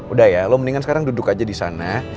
udah ya lo mendingan sekarang duduk aja disana